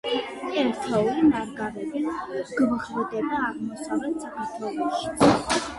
ერთეული ნარგავები გვხვდება აღმოსავლეთ საქართველოშიც.